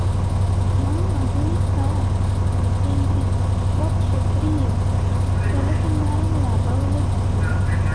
म्हणून आधुनिक काळात विकेंद्रित व क्षेत्रीय जलसंधारण राबवले जाते.